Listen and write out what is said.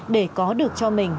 để có được cho mình